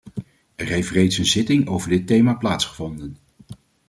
Er heeft reeds een zitting over dit thema plaatsgevonden.